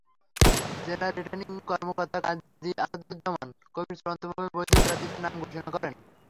জেলা রিটার্নিং কর্মকর্তা গাজী আসাদুজ্জামান কবির চূড়ান্তভাবে বৈধ প্রার্থীদের নাম ঘোষণা করেন।